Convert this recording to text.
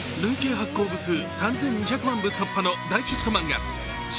累計発行部数３２００万部突破の大ヒット漫画